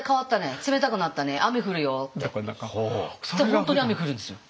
本当に雨降るんですよ。